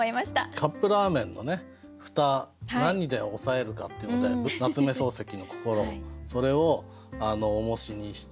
カップラーメンの蓋何で押さえるかっていうので夏目漱石の「こころ」それをおもしにして。